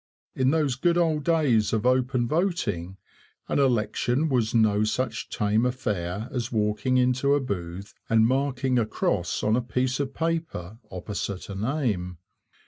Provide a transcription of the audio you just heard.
In those good old days of open voting an election was no such tame affair as walking into a booth and marking a cross on a piece of paper opposite a name.